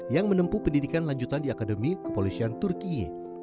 yang menempuh pendidikan lanjutan di akademi kepolisian turkiye